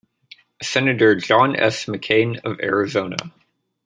Senator John S. McCain of Arizona.